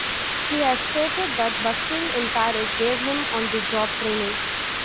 He has stated that busking in Paris gave him on the job training.